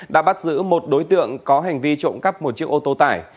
đã bắt giữ một đối tượng có hành vi trộm cắp một chiếc ô tô tải